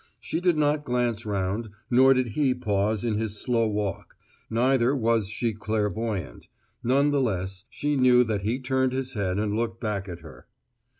She did not glance round, nor did he pause in his slow walk; neither was she clairvoyant; none the less, she knew that he turned his head and looked back at her.